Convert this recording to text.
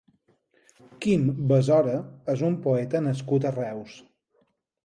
Quim Besora és un poeta nascut a Reus.